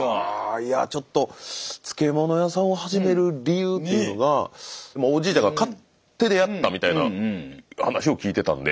いやちょっと漬物屋さんを始める理由というのがおじいちゃんが勝手でやったみたいな話を聞いてたんで。